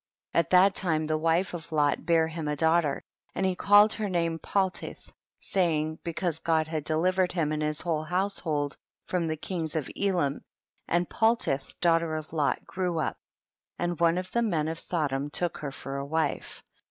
24. At that time the wife of Lot bare him a daughter, and he called her name Paltith, saying, because God had delivered him and his whole household from the kings of Elam ; and Paltith daughter of Lot grew up» and one of the men of Sodom took her for a wife.